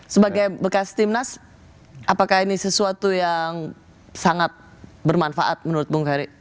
sebagai bekas timnas apakah ini sesuatu yang sangat bermanfaat menurut bung ferry